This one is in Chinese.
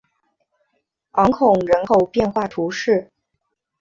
昂孔人口变化图示